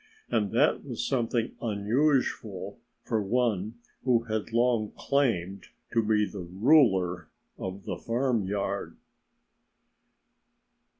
And that was something unusual for one who had long claimed to be ruler of the farmyard.